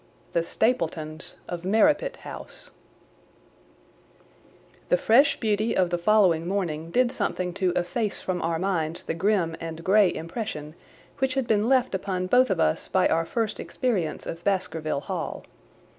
The Stapletons of Merripit House The fresh beauty of the following morning did something to efface from our minds the grim and grey impression which had been left upon both of us by our first experience of Baskerville Hall.